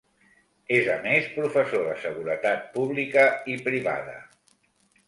És a més professor de seguretat pública i privada.